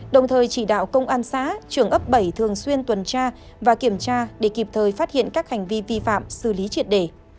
đồng thời chỉ đạo công an xã trường ấp bảy thường xuyên tuần tra và kiểm tra để kịp thời phát hiện các hành vi vi phạm xử lý triệt đề